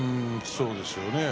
そうですよね。